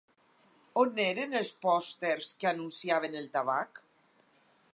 On eren els pòsters que anunciaven el tabac?